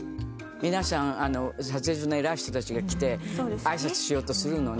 皆さん撮影所の偉い人たちが来て挨拶しようとするのね。